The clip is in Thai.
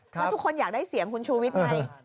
แล้วทุกคนอยากได้เสียงคุณชูวิทย์ไง